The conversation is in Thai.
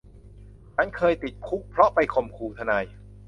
ฉันเคยติดคุกเพราะไปข่มขู่ทนาย